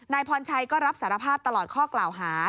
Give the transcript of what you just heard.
พรชัยก็รับสารภาพตลอดข้อกล่าวหา